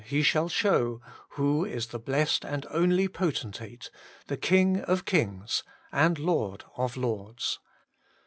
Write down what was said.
He shall shew, who is the blessed and only Potenate, the King of kings, and Lord of lords.'